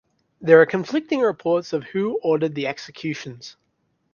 There are conflicting reports of who ordered the executions.